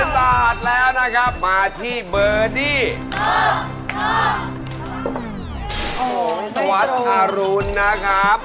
มาแล้วครับอันดับที่อะไรดีครับ